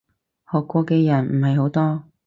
學過嘅人唔係好多